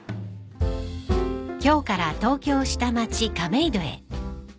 ［今日から東京下町亀戸へ］